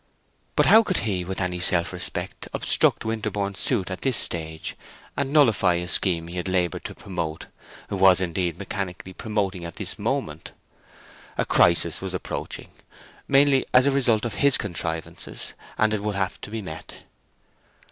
But how could he, with any self respect, obstruct Winterborne's suit at this stage, and nullify a scheme he had labored to promote—was, indeed, mechanically promoting at this moment? A crisis was approaching, mainly as a result of his contrivances, and it would have to be met.